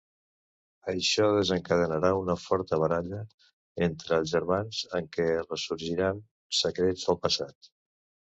Això desencadenarà una forta baralla entre els germans en què ressorgiran secrets del passat.